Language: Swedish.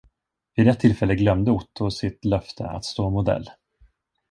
Vid ett tillfälle glömde Otto sitt löfte att stå modell.